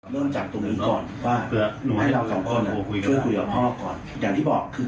เริ่มจากตรงนี้ก่อนว่าให้เรา๒คนคุยกับพ่อก่อนอย่างที่บอกคือ